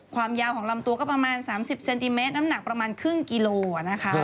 ความยาวของลำตัวก็ประมาณ๓๐เซนติเมตรน้ำหนักประมาณครึ่งกิโลนะคะ